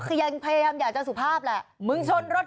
ก็คือยังพยายามอยากจะสุภาพแหละ